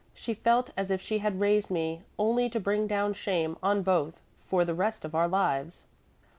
She felt as if she had raised me only to bring down shame on both for the rest of our lives."